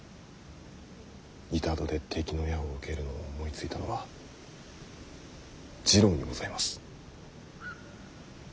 板戸で敵の矢を受けるのを思いついたのは次郎にございます。